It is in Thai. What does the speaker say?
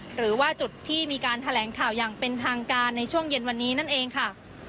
หรือว่าจุดที่มีการแถลงข่าวอย่างเป็นทางการในช่วงเย็นวันนี้นั่นเองค่ะ